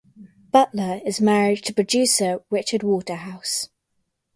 Butler is married to producer Richard Waterhouse.